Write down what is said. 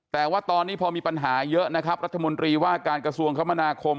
แต่ว่าตอนนี้พอมีปัญหาเยอะนะครับรัฐมนตรีว่าการกระทรวงคมนาคม